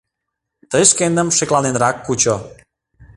— Тый шкендым шекланенрак кучо.